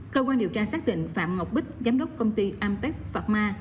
cơ quan điều tra xác định phạm ngọc bích giám đốc công ty amtex pharma